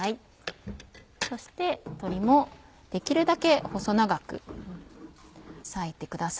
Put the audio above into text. そして鶏もできるだけ細長く裂いてください。